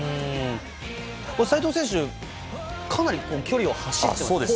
齋藤選手はかなり距離を走っていますね。